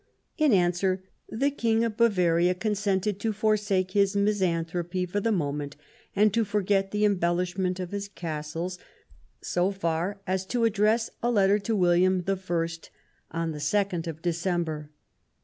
In answer, the King of Bavaria consented to forsake his misanthropy for the moment and to forget the embellishment of his castles so far as to address a letter to William I on the 2nd of December.